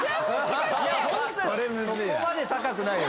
そこまで高くないよ